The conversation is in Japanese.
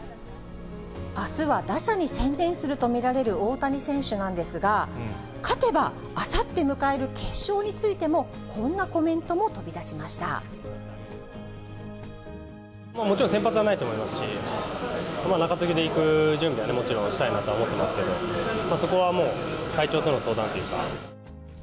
あすは打者に専念すると見られる大谷選手なんですが、勝てば、あさって迎える決勝についても、まあ、もちろん先発はないと思いますし、中継ぎでいく準備はね、もちろんしたいなとは思ってますけど、そこはもう、体調との相談っていうか。